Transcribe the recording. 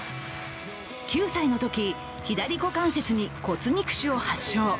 ９歳のとき、左股関節に骨肉腫を発症。